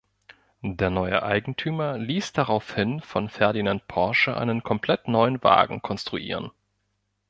Der neue Eigentümer ließ daraufhin von Ferdinand Porsche einen komplett neuen Wagen konstruieren.